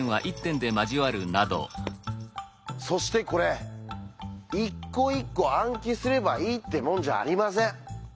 そしてこれ一個一個暗記すればいいってもんじゃありません。